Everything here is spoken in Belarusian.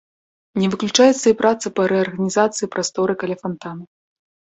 Не выключаецца і праца па рэарганізацыі прасторы каля фантана.